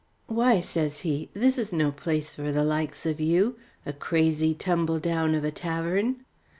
"Why," says she, "this is no place for the likes of you a crazy tumbledown of a tavern.